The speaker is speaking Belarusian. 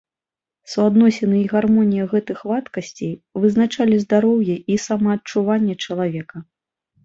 Суадносіны і гармонія гэтых вадкасцей вызначалі здароўе і самаадчуванне чалавека.